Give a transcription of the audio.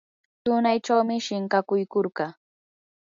tunaychawmi shinkakuykurqaa.